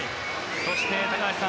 そして高橋さん